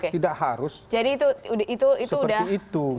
tidak harus seperti itu